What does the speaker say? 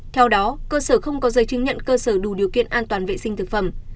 theo đó cơ sở không có giấy chứng nhận cơ sở đủ điều kiện an toàn vệ sinh thực phẩm